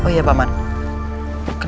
wawah aku thovos